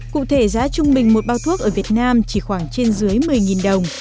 cụ thể giá trung bình một bao thuốc ở việt nam chỉ khoảng trên dưới một mươi đồng